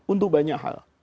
untuk banyak hal